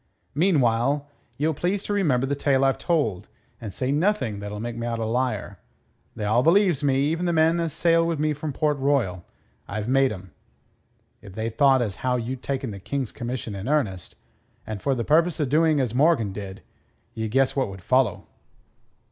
"Meanwhile ye'll please to remember the tale I've told, and say nothing that'll make me out a liar. They all believes me, even the men as sailed wi' me from Port Royal. I've made 'em. If they thought as how you'd taken the King's commission in earnest, and for the purpose o' doing as Morgan did, ye guess what would follow."